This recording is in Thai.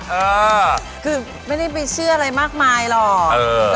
เออคือไม่ได้ไปเชื่ออะไรมากมายหรอก